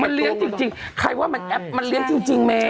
มันเลี้ยงจริงใครว่ามันเลี้ยงจริงแม่